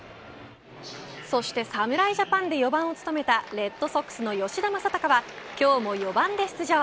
そして、侍ジャパンで４番を務めたレッドソックスの吉田正尚は今日も４番で出場。